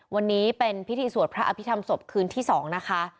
วันนี้เป็นพิธีสวดพระอภิษฐรรมศพคืนที่๒นะคะ